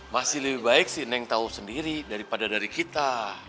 masih lebih baik si neng tahu sendiri daripada dari kita